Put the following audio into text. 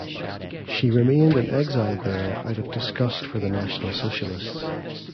She remained in exile there out of disgust for the National Socialists.